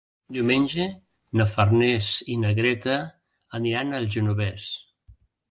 Diumenge na Farners i na Greta aniran al Genovés.